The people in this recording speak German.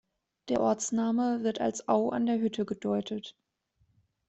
Der Ortsname wird als Au an der Hütte gedeutet.